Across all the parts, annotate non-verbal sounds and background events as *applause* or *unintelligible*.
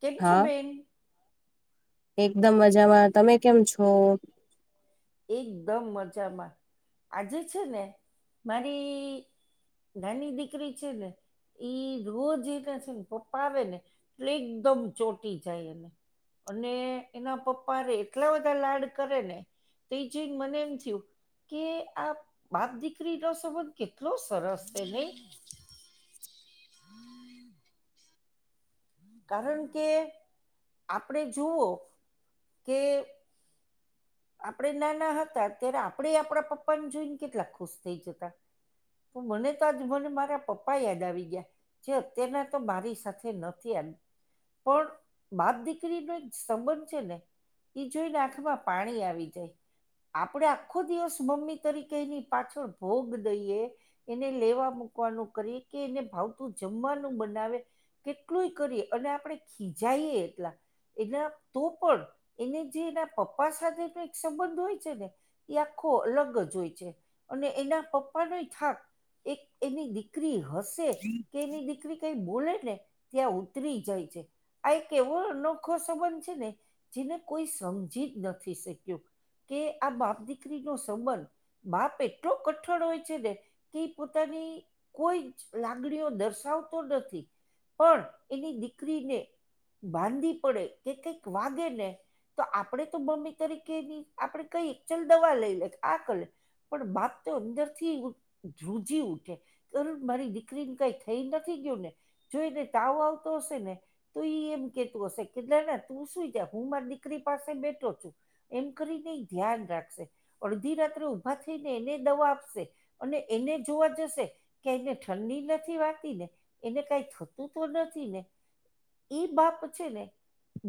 કેમ છો હા બેન. એકદમ મજામાં તમે કેમ છો? એકદમ મજામાં આજે છે, ને મારી ઘની દીકરી છે ને. ઈ રોજ એને છે. પપ્પા આવે ને એટલે એકદમ ચોટી જાય એને અને એના પપ્પા રે એટલા બધા લાડ કરે ને તે જ મને એમ થયું કે આ વાત દીકરી નો સંબંધ કેટલો સરસ છે. નને હમ કારણ કે આપણે જુઓ. કે આપણે નાના હતા ત્યારે આપણે આપણા પપ્પાને જોઈને કેટલા ખુશ થઈ જતા તો મને તોજ મને મારા પપ્પા યાદ આવી ગયા જે અત્યારના તો મારી સાથે નથી એમ પણ બાપ દીકરીનો સંબંધ છે. ને ઈ જોઈને આખ માં પાણી આવી જાય આપણેે આખો દિવસ મમ્મી તરીકે એની પાછળ ભોગ દઈએ. એને લેવા મુૂકવાનું કરી કે એને ભાવતું જમવાનું બનાવે કેટલુંય કરીએ અને આપણે ખીજાઈએ એટલા એના તો પણ એને જે એના પપ્પા સાથેનો એક સંબંધ હોય છે ને એ આખો અલગ જ હોય છે. અને એના પપ્પાનો ય થાક એક એની દીકરી હશે કે એની દીકરી કઈ બોલે ને ત્યાં ઉતરી જાય છે. આ એક એવો અનોખો સંબંધ છેને, જેને કોઈ સમજી જ નથી શક્યુ કે આ બાપ દીકરી નો સંબંધ બાપ એટલો કઠણ હોય છે ને કે પોતાની કોઈ જ લાગણીઓ દર્શાવતો નથી પણ એની દીકરીને માંદી પડે કે કઈક વાગે ને તો આપણેે તો મમ્મી તરીકેની આપડે કહીએ ચાલ દવા લઈ લે આ કર લે. પણ બાપ તો અંદરથી ધુજી ઉઠે. એમ મારી દીકરીને કઈ થઈ નથી ગયું ને જો એને તાવ આવતો હશે ને. તો એમ કેતું હશે કેટલાને તું સુું જ હું મારી દીકરી પાસે બેઠો છું. એમ કરીને ય ધ્યાન રાખશે. અડધી રાત્રે ઊભા થઈને એને દવા આપશે અને એને જોવા જશે. કે એને ઠંડી નથી વાતી ને એને કઈ થતું તો નથી ને? ઈ બાપ છે ને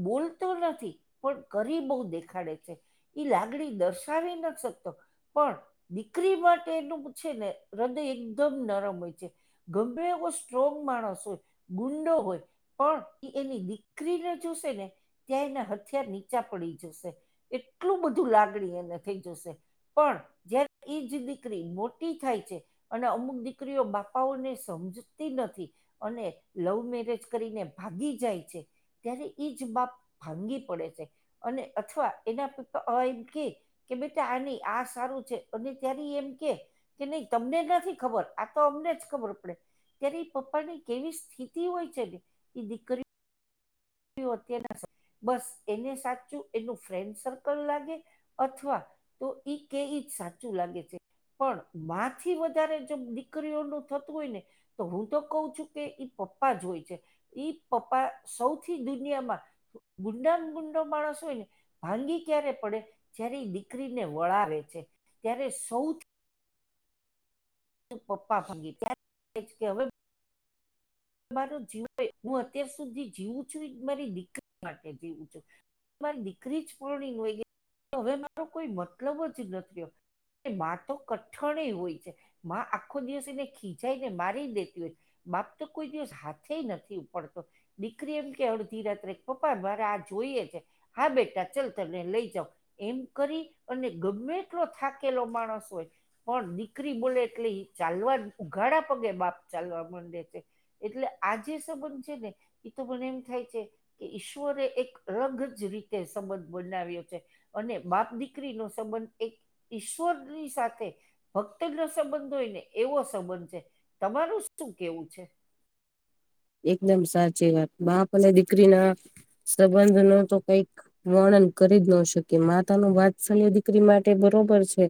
બોલતો નથી, પણ કરી બહુ દેખ ખાડે છે એ લાગણી દર્શાવી નથ શકતો. પણ દીકરી માટે એનું છે ને હૃદય એકદમ નરમ હોય છે. ગમે એવો સ્ટ્રોંગ માણસ હોય, ગુંડો હોય પણ એ એની દીકરીને જોશે ને ત્યાં એના હથિયાર નીચા પડી જશે. એટલું બધું લાગણી એને થઈ જશે. પણ જયારે ઈજ દીકરી મોટી થાય છે અને અમુક દીકરીઓ બાપાઓને સમજતી નથી. અને લવ મેરેજ કરીને ભાગી જાય છે. ત્યારે એઈ જ બાપ ભાંગી પડે છે અને અથવા એના પપ્પા હવ એમ કે બેટા આ ની આ સારું છે અને ત્યારે ઈ એમ કે કે નહી તમને નથી ખબર આ તો અમને જ ખબર પડે. ત્યારે એ પપ્પા ની કેવી સ્થિતિ હોય છે ને એ દીકરી *unintelligible* બસ એને સાચું એનું ફ્રેન્ડ સર્કલ લાગે અથવા તો ઈ કે ઈ જ સાચું લાગે છે. પણ માં થી વધારે જેમ દીકરીઓનું થતું હોય ને તો હું તો કહ છું કે ઈ પપ્પા જ હોય છે. ઈ પપ્પા સૌ થી દુનિયામાં ગુંડામ ગુંડો માણસ હોય ને ભાંગી ક્યારે પડે, જ્યારે ઈ દીકરીને વળાવે છે, ત્યારે સૌથી પપ્પા ભાંગી *inaudible* કે હવે મારો જીવય હું અત્યાર સુધી જીવું છું ઈજ મારી દીકરી માટે જીવું છું. મારી દીકરી જ પરણીને વઈ ગઈ હવે મારો કોઈ મતલબ જ નથી રહ્યો. ને માતો કઠણે હોય છે. માં આખો દિવસ એને ખીજાઈ ને મારી દેતી હોય, બાપ તો કોઈ દિવસ હાથે નથી ઉપડતો. દીકરી એમ કેવા ધીરથ રેખ પપ્પા મારે આ જોઈએ છે. હા બેટા ચાલ તમે લઈ જાઓ. એમ કરી અને ગમે એટલો થાકેલો માણસ હોય પણ દીકરી બોલે એટલે એ ચાલવા ઉઘાડા પગે બાપ ચાલવા માંડે છે. એટલે આજે સંબંધ છે ને એ તો મને એમ થાય કે કે ઈશ્વરે એક ઓળંગ જ રીતે સંબંધ બનાવ્યો છે. અને બાપ દીકરીનો સંબંધ એક ઈશ્વરની સાથે ભક્ત નો સંબંધ હોય ને એવો સંબંધ છે તમારું શું કેવું છે? એકદમ સાચી વાત બાપ અને દીકરી ના સંબંધ નો તો કઈક વર્ણન કરી જ ન શકીએ. માતાનું વાત્સલ્ય દીકરી માટે બરોબર છે.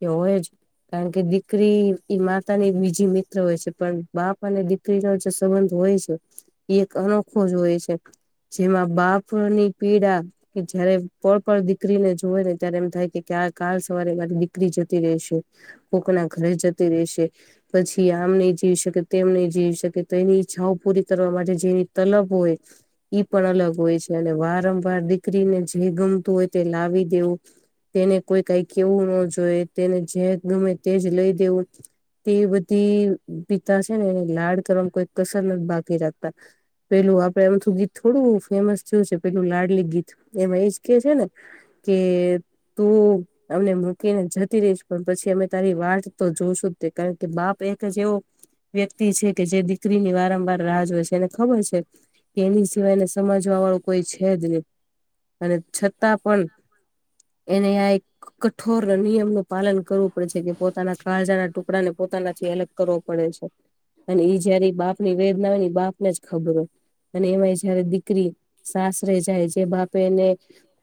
એ હોય જ. કારણ કે દીકરી ઈ માતા ની બીજી મિત્ર હોય છે, પણ બાપ અને દીકરીનો જે સંબંધ હોય છે, એ એક અનોખો જ હોય છે. જેમાં બાપની પીડા કે જયારે પળ-પળ દીકરીને જોવે ને ત્યારે એમ થાય કે આ કાલ સવારે મારી દીકરી જતી રહેશે. કોકના ઘરે જતી રહેશે. પછી આમ નહીં જઈ શકે, તેમ નહીં જઈ શકે તો એની છાઓ પૂરી કરવાવાળી જે તલબ હોય ઈ પણ અલગ હોય છે. અને વારંવાર દીકરીને જે ગમતું હોય તે લાવી દેવું તેને કોઈ કાંઈ કહેવું ન જોઈએ, તેને જે ગમે તેજ લઈ દેવું. તેવી બધી પિતા છે ને એને લાડ કરવામાં કોઈ કસર નથ બાકી રાખતા. પહેલું આપડે અમથું ગીત થોડું ફેમસ થયું છે, પેલું લાડલી ગીત. એમાં ઈજ કે છે ને, કે તું અમને મૂકીને જતી રહીશ, પણ પછી અમે તારી વાટ તો જોશું જ તે. કારણ કે બાપ એક જ એવો વ્યક્તિ છે કે જે દીકરીની વારંવાર રાહ જોઈ છે. એને ખબર છે કે એની સિવાય એને સમજવા વાળું કોઈ છે જ નહીં. અને છતાં પણ એને આ એક કઠોર નિયમનો પાલન કરવું પડે છે, કે પોતાના કાળજાના ટુ આપડાને પોતાનાથી અલગ કરવો પડે છે. અને ઈ જ્યારે ઈ બાપ ની વેદના હોય ને ઈ બાપને જ ખબર હોય. અને એમાંય જયારે દીકરી સાસરે જાય, જે બાપે એને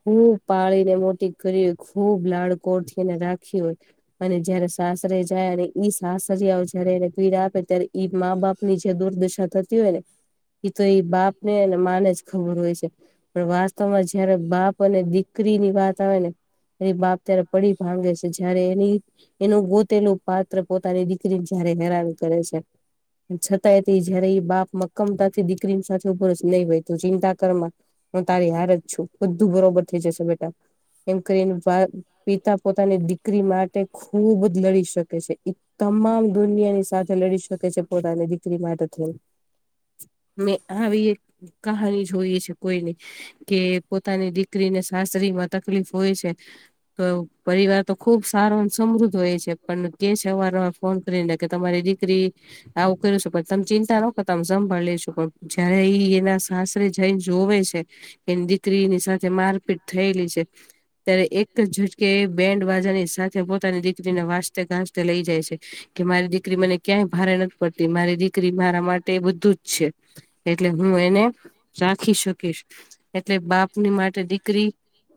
ખૂબ પાળીને મોટી કરી હોય, ખૂબ લાડકોળથી એને રાખી હોય અને જયારે સાસરે જાય અને ઈ સાસરીયાઓ જયારે એને પીડા આપે ત્યારે ઈ જ માં-બાપ ની જે દુર્દશા થતી હોય ને એ તો ઈ બાપ ને અને માંને જ ખબર હોય છે. પણ *unintelligible* તમારે જયારે બાપ અને દીકરી ની વાત આવે ને, *unintelligible* બાપ ત્યારે પડી ભાંગે છે. જયારે એની એનું ગોતેલું પાત્ર પોતાની દીકરીન જ્યારે હેરાન કરે છે. પણ છતાંય તે જયારે ઈ બાપ મક્કમતાથી દીકરીન સાથે ઉભો રહે છે, નહીં હોય તું ચિંતા કરમા હું તારી હારે જ છું, બધું બરોબર થઇ જશે બેટા. એમ કરીને વા પિતા પોતાની દીકરી માટે ખુબ જ લડી શકે છે. ઈ તમામ દુનિયાની સાથે લડી શકે છે. પોતાની દીકરી માટે થઈને. મેં આવી એક કહાની જોઈએ છે કોઈ નહીં કે પોતાની દીકરી ને સાસરીમાં તકલીફ હોય છે તો પરિવાર તો ખુબ સારો અને સમૃદ્ધ હોય છે. પણ કહે છે અવારનવાર ફોન કરીને કે તમારી દીકરી આવું કર્યું છે, પણ તમે ચિંતા ન કરતા અમે સંભાળી લેશું. પણ જયારે ઈ એના સાસરે જઈને જોવે છે કે એની દીકરીની સાથે મારપીટ થયેલી છે ત્યારે એક જ ઝટકે બેન્ડ વાજાની સાથે પોતાની દીકરીને વાસ જતે ગાજતે લઈ જાય છે. કે મારી દીકરી મને ક્યાંય ભારે નથ મારી દીકરી મારા માટે બધું જ છે, એટલે હું એને રાખી શકીશ. એટલે બાપની માટે દીકરી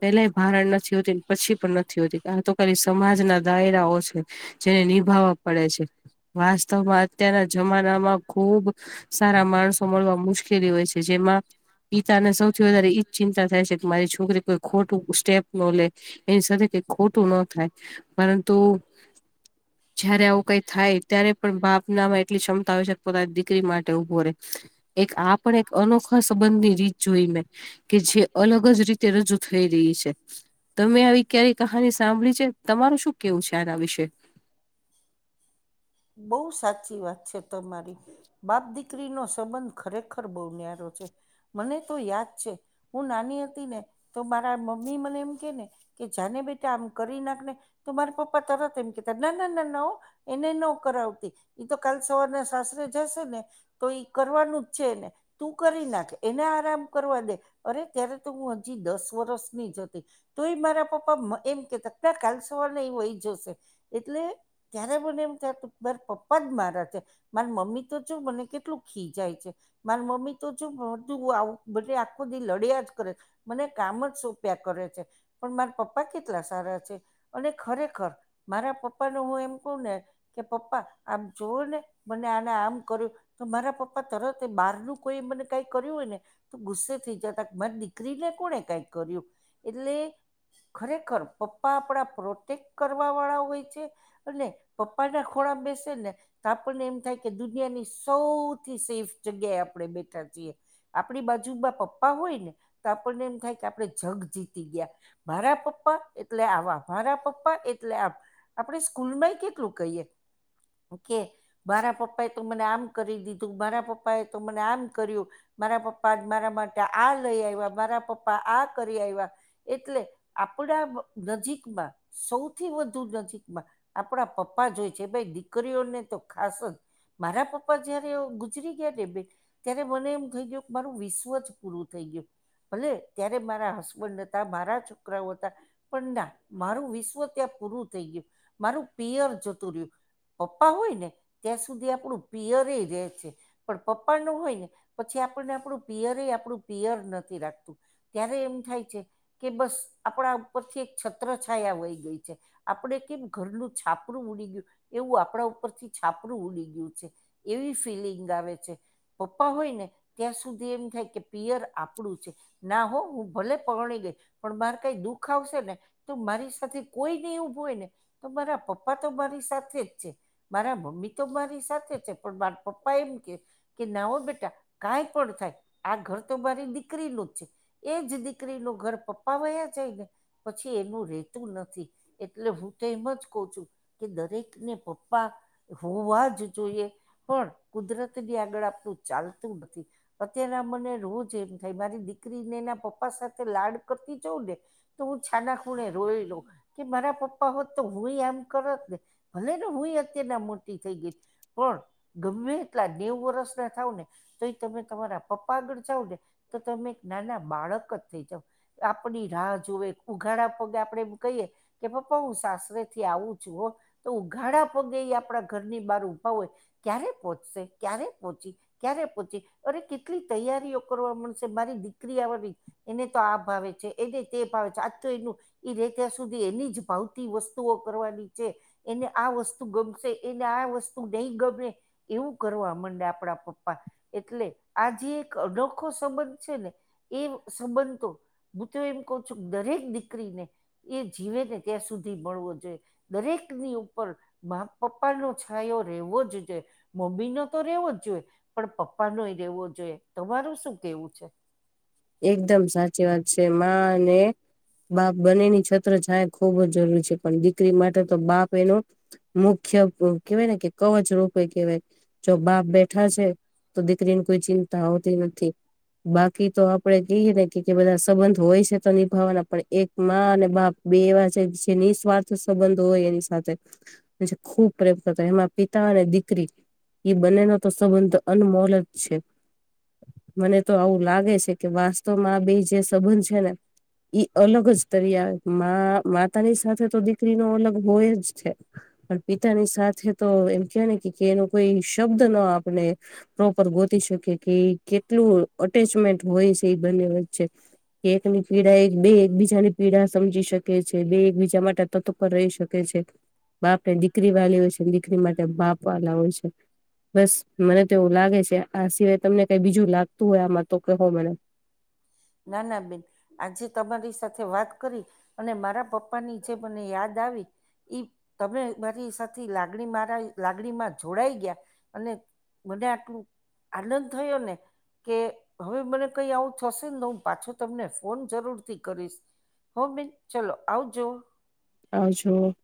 પેલાય ભારણ નથી હોતી, ને પછી પણ નથી હોતી. આ તો ખાલી સમાજના દાયરાઓ છે. જેને નિભાવવા પડે છે. વાસ્તવમાં અત્યારના જમાનામાં ખુબ સારા માણસો મળવામાં મુશ્કેલી હોય છે. જેમાં પિતાને સૌથી વધારે ઈજ ચિંતા થાય છે મારી છોકરી કોઈ ખોટું સ્ટેપ ન લે એની સાથે કઈ ખોટું ન થાય પરંતુ જયારે આવું કઈ થાય ત્યારે પણ બાપ નામાં એટ ક્ષમતા હોય છે પોતાની દીકરી માટે ઉભો રે. એક આ પણ એક અનોખા સંબંધ ની રીત જોઈ મેં. કે જે અલગ જ રીતે રજૂ થઈ રહી છે. તમે આવી ક્યારે કહાની સાંભળી છે, તમારું શું કેવું છે આના વિશે? બહુ સાચી વાત છે તમારી. બાપ દીકરીનોો સંબંધ ખરેખર બહુ ન્યારો છે. મને તો યાદ છે- હું નાની હતી ને તો મારા મમ્મી મને એમ કે ને કે જાને બેટા આમ કરી નાખ ને તો મારા પપ્પા તરત એમ કતા ના ના ના ના હો એને ન કરાવતી તો કાલ સવારના સાસરે જશે ને તો ઈ કરવાનું જ છે એને. તું કરી નાખે એને આરામ કરવા દે અરે ત્યારે તો હું હજી દસ વરષની જ હતી. તો એ મારા પપ્પા એમ કેતા ના કાલસવાર ન એ હોય જશે. એટલે ક્યારે પણ એમ કો બર પપ્પા જ મારા છે, માર મમ્મી તો જો મને કેટલું ખી જાય છે. મારી મમ્મી તો છું તું આવું બધ આખો દી લડ્યા જ કરે. મને કામ જ સોપ્યા કરે છે. પણ મારા પપ્પા કેટલા સારા છે અને ખરેખર મારા પપ્પાને હું એમ કવ ને કે પપ્પા આમ જોવું ને મને આને આમ કર્યું તો મારા પપ્પા તરત બહાર નું કોઈ મને કઈ કર્યું હોય ને તો ગુસ્સે થઈ જતા માર દીકરી ને કોને કંઈક કર્યું એટલે ખરેખર પપ્પા આપણા પ્રોટેક્ટ કરવા વાળા હોય છે અને પઈના ખોરાબ બેશે ને તો આપણને એમ થાય કે દુનિયાની સૌથી સેફ જગ્યાએ આપણે બેઠા છીએ. આપણી બાજુમાં પપ્પા હોય ને તો આપણને એમ થાય કે આપણે જગ જીતી ગયા. મારા પપ્પા એટલે આવા, મારા પપ્પા એટલે આ આપણે સ્કૂલ માં કે કેલું કહીએ કે મારા પપ્પા એ તો મને આમ કરી દીધું, મારા પપ્પાએ તો મને આમ કર્યું મારા પપ્પા મારા માટે આ લઈ આવ્યા, મારા પપ્પા આ કરી આવ્યા એટલે આપણા નજીકમાં, સૌથી વધુ નજીકમાં આપણા પપ્પા જોય છે ભાઈ દીકરીઓને તો ખાસ જ મારા પપ્પા જયારે ગુજરી ગયા ને બે ત્યારે મને એમ થઇ ગું કે મારું વિશ્વ જ પૂરું થઈ ગયું. ભલે ત્યારે મારા હસબન્ડ હતા, મારા છોકરાઓ હતા પણ ના મારું વિશ્વ ત્યાં પૂરું થઈ ગયું, મારું પિયર જતું રહ્યું. પપ્પા હોય ને ત્યાં સુધી આપણું પિયરે રહે છે. પણ પપ્પા નું હોય ને પછી આપણને આપણું પિયર આપણું પિયર નથી રાખતું. ત્યારે એમ થાય કે કે બસ આપણા ઉપરથી એક છત્રછાયા વય ગઈ છે, આપડે કેમ ઘરનું છાપરું ઉડી ગયું, એવું આપણા ઉપર થી છાપરું ઉડી ગયું છે. એવી ફીલિંગ આવે છે. પપ્પા હોય ને ત્યાં સુધી એમ થાય કે પિયર આપણું છે. ના હો હું ભલે પરણી ગઈ પણ મારે કઈ દુઃખ આવશે ને તો મારી સાથે કોઈને ઉભું હોય ને તો મારા પપ્પા તો મારી સાથે જ છે, મારા મમ્મી તો મારી સાથે છે, પણ મા પપ્પા એમ કે કે ના હો બેટા કઈ પણ થાય આ ઘર તો મારે નીકરીનું જ છે. એ જ દીકરીનું ઘર પપ્પા વયા છેને. પછી એનું રેતું નથી એટલે હું તો એમ જ છું કે દરેક ને પપ્પા હોવા જ જોઈએ. પણ કુદરત ની આગળ આપણું ચાલતું નથી. અત્યારે મને રોજ એમ થાય મારી દીકરીનેના પપ્પા સાથે લાડ કરતી જઉં ને તો હું છાના ખૂણે રોઈ લો કે મારા પપ્પા તો હુંય એમ કરત ને ભલે ને હુંય અત્યાર ના મોટી થઈ ગઈ. પણ ગમે એટલા દેવું વર્ષને થાવું ને તો એ તમે તમારા પપ્પા આગળ જાાવ ને તો તમે એક નાના બાળક જ થઈ જાવ આપની રાહ જોએ ઉઘાડા પગે આપડે એમ કહીએ કે પપ્પા હું સાસરે થી આવું છું હો તો ઉઘાડા પગે એ આપણા ઘરની બહાર ઊભા હોય. ક્યારે પહોચશે ક્યારે પહોચી. ક્યારે પહચી અરે કેટલી તૈયારીઓ કરવા મળશે મારી દીકરી આવેળી એને તો આ ભાવે છે એને તે ભાવે છે આજ તો એનું ર ત્યાં સુધી એની જ ભાવતી વસ્તુ વતુઓ કરવાની છે એને આ વસ્તુ ગમશે એને આ વસ્તુ નહી ગમે એવું કરવા મમાંડે આપડા પપ્પા એટલે આ જે એક અનોખો સંબંધ છેને. એ સંબંધ તો હું તો એમ કહ છુ, દરેક દીકરીને એ જીવે ને ત્યાં સુધી મળવો જોઈએ. દરેકની ઉપર મા પપ્પાનોો છાયો રહેવો જ છે. મમ્મી નો તો રેવો જ જોઈએ પણ પપ્પા ન રેવો જોઈએ તમાર શું કેવું છે. એકદમ સાચી વાત છે અને બાપ બંનેની છત્ર છાય ખૂબ જ જરૂરી છે પણ દીકરી માટે તો બાપ એનો મુખ્ય કહેવાય ને કે કવચ રોપય કહેવાય. જો બાપ બેઠા છે તો દીકરીને કોઈ ચિંતા હોતી નથી બાકી તો આપડે કહીએ ને કે બધા સંબંધ હોય છે. ભાવવાના પણ એક અને બાપ બે એવા છે જે નિસ્વાર્થ સંબંધ હોય એની સાથે પ ખુબ પ્રેમ કરતા એ પિતા અને દીકરી એ બંનેનો તો સંબંધ અનમોલ જ છે મને તો આવું લાગે છે. કે વાસ્તવમાં બે જે સંબંધ છેને. ઈ અલગ જ તરી આવે મા માતાની સાથે તો દીકરી ન અલગ હોય જ છે. પણ પિતાની સાથે તો એમ કેવા ને એનો કોઈ શબ્દ ન આપને પ્રોપર ગોતી શકે કે કેટલું અટેચમેન્ટ હોય છે એ બંને વચ્ચે એકની પીડા એક બે એકબીજાની પીડા સમજી શકે છે બે એકબીજા માટે તત્પર રહી શકે છે બાપને દીકરી વાળલી હોય છે દીકરી માટે બાપ વાળ હોય છે. બસ મને તો એવું લાગે છે આ સિવાય તમને કઈ બીજું લાગતું હોય આમાં તો કે હો મને નાન અભિન આજે તમારી સાથે વાત કરી અને મારા પપ્પાની જે મને યાદ આવી ઈ તમે મારી સાથે લાગણી મારા લાગણીમાં જોડાઈ ગયા અને મને આટલું આનંદ થયો ને કે હવે મને કઈ આવુ થશે તો હું પાછો તમને ફોન જરૂરથી કરીશ હો બેન ચાલલો આવજો હ જો